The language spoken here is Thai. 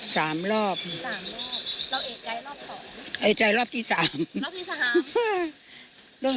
กับธูรูทุกฎั้ง